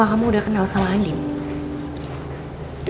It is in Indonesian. kau di reject